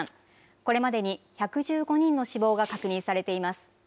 これまでに１１５人の死亡が確認されています。